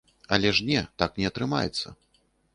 Але ж не, так не атрымаецца.